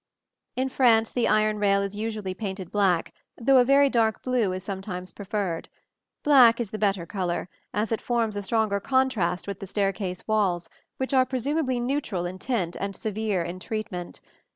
In France the iron rail is usually painted black, though a very dark blue is sometimes preferred. Black is the better color, as it forms a stronger contrast with the staircase walls, which are presumably neutral in tint and severe in treatment.